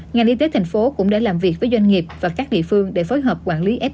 ngành y tế tp cũng đã làm việc với doanh nghiệp và các địa phương để phối hợp quản lý f